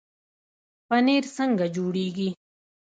پنیر څنګه جوړیږي؟